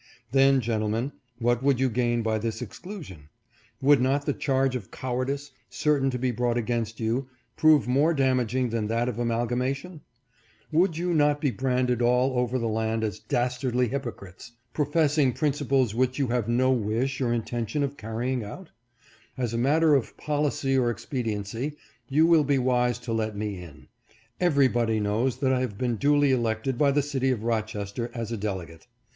Then, gentlemen, what would you gain by this exclusion ? Would not the charge of cowardice, certain to be brought against you, prove more damaging than that of amalgamation ? Would you not be branded all over the land as dastardly hypocrites, professing princi ples which you have no wish or intention of carrying out ? As a matter of policy or expediency, you will be wise to let me in. Everybody knows that I have been duly elected by the city of Rochester as a delegate.